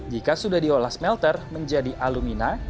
jika sudah diolah smelter menjadi alumina